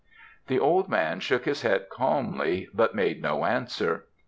"The old man shook his head calmly, but made no answer.